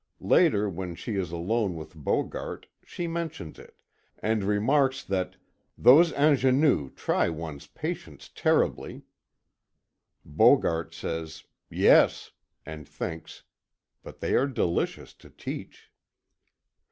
Later, when she is alone with Bogart, she mentions it, and remarks that "these ingénues try one's patience terribly." Bogart says "Yes;" and thinks, "but they are delicious to teach."